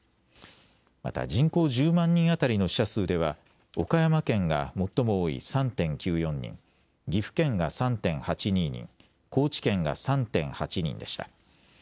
また、人口１０万人当たりの死者数では岡山県が最も多い３．９４人、岐阜県が３．８２人、高知県が３．８人でした。